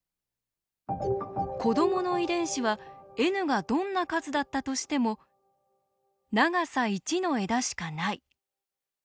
子どもの遺伝子はｎがどんな数だったとしても「長さ１の枝しかない」。